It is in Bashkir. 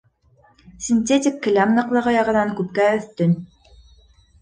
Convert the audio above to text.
Синтетик келәм ныҡлығы яғынан күпкә өҫтөн.